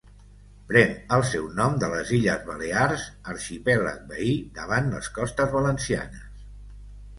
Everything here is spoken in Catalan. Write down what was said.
Pren el seu nom de les illes Balears, arxipèlag veí davant les costes valencianes.